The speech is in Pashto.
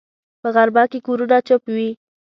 په غرمه کې کورونه چوپ وي